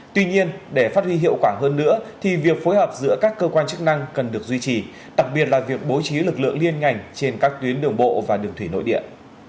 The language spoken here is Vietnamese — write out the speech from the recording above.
tuy nhiên để phát huy hiệu quả hơn nữa thì việc phối hợp giữa các cơ quan chức năng cần được duy trì đặc biệt là việc bố trí lực lượng liên ngành trên các tuyến đường bộ và đường thủy nội địa